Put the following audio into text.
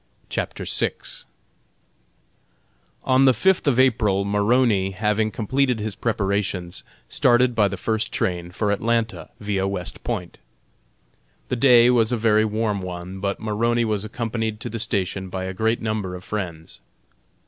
CHAPTER VI. On the fifth of April Maroney, having completed his preparations, started by the first train for Atlanta, via West Point. The day was a very warm one, but Maroney was accompanied to the station by a great number of friends.